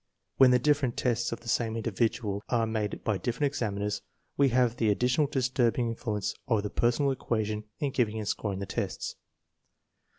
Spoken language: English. When the different tests of the same individual are made by different examiners, we have the additional disturbing influence of the personal equation in giving and scoring the tests.